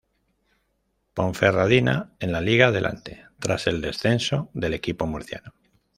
Ponferradina en la Liga Adelante, tras el descenso del equipo murciano.